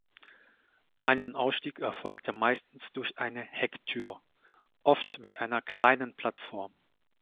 Ein- und Ausstieg erfolgte meistens durch eine Hecktür, oft mit einer kleinen Plattform.